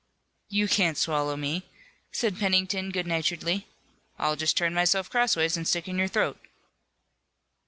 "You can't swallow me," said Pennington, good naturedly. "I'll just turn myself crossways and stick in your throat."